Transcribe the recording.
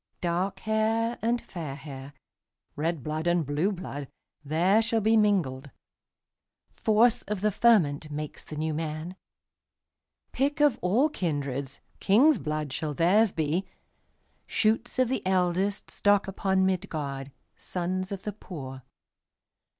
Dark hair and fair hair, Red blood and blue blood, There shall be mingled; Force of the fermentMakes the New Man.Pick of all kindreds, King's blood shall theirs be, Shoots of the eldestStock upon Midgard, Sons of the poor.